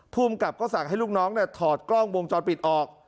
ภูมิกับก็สั่งให้ลูกน้องถอดกล้องวงจรปิดออก